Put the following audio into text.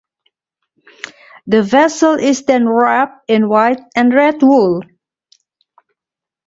The vessel is then wrapped in white and red wool.